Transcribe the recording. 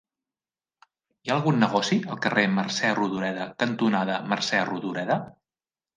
Hi ha algun negoci al carrer Mercè Rodoreda cantonada Mercè Rodoreda?